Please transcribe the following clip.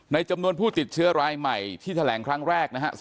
จำนวนผู้ติดเชื้อรายใหม่ที่แถลงครั้งแรกนะฮะ